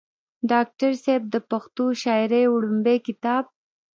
ډاکټر صېب د پښتو شاعرۍ وړومبے کتاب